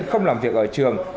không làm việc ở trường